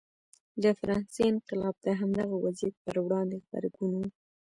د فرانسې انقلاب د همدغه وضعیت پر وړاندې غبرګون و.